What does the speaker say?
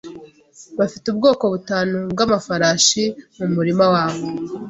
Bafite ubwoko butanu bw'amafarashi mu murima wabo.